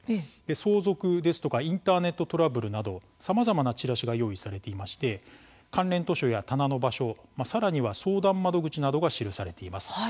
相続ですとかインターネットトラブルなどさまざまなちらしが用意されていて関連図書や棚の場所、さらには相談窓口などが設置されています。